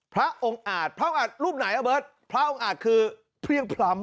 พระองค์อาจพระอาจรูปไหนอ่ะเบิร์ตพระองค์อาจคือเพลี่ยงพล้ำ